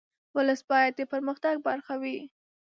ولس باید د پرمختګ برخه وي.